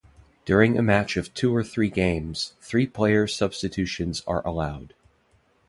During a match of two or three games, three player substitutions are allowed.